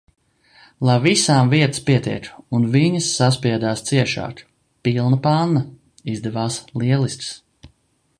Lai visām vietas pietiek! Un viņas saspiedās ciešāk, pilna panna. Izdevās lieliskas.